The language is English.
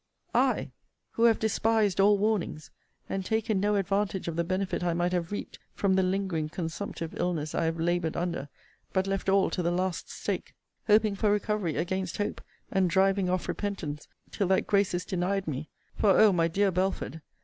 I, who have despised all warnings, and taken no advantage of the benefit I might have reaped from the lingering consumptive illness I have laboured under, but left all to the last stake; hoping for recovery against hope, and driving off repentance, till that grace is denied me; for, oh! my dear Belford!